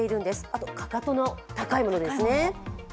あとかかとの高いものですね。